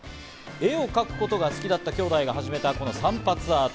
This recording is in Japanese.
絵を描くことが好きだった兄弟が始めた散髪アート。